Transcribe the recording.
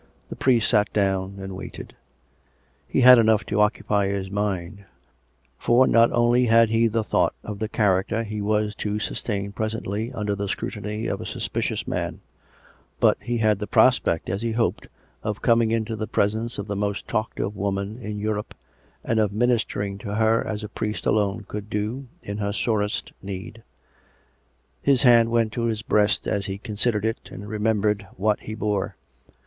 The priest sat down and waited. He had enough to occupy his mind; for not only had he the thought of the character he was to sustain presently under the scrutiny of a suspicious man; but he had the prospect, as he hoped, of coming into the presence of the most talked of woman in Europe, and of ministering to her as a priest alone could do, in her sorest need. His hand went to his breast as he considered it, and remembered What he bore